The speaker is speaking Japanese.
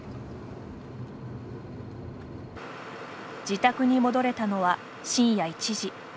自宅に戻れたのは深夜１時。